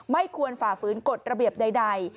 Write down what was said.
ไม่ควรฝ่าฝืนกฎระเบียบใด